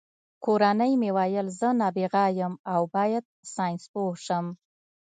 کورنۍ مې ویل زه نابغه یم او باید ساینسپوه شم